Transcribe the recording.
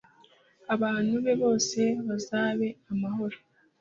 abantu be bose bazabe amahoro